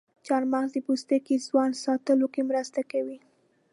چارمغز د پوستکي ځوان ساتلو کې مرسته کوي.